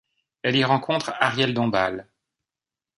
Elle y rencontre Arielle Dombasle.